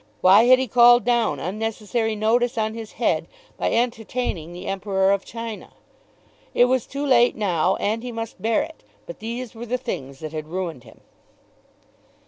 Why had he called down unnecessary notice on his head by entertaining the Emperor of China? It was too late now, and he must bear it; but these were the things that had ruined him.